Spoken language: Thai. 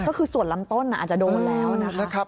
ก็คือส่วนลำต้นอาจจะโดนแล้วนะคะ